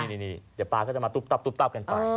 เดี๋ยวปลาก็จะมาตุ๊บตับกันไป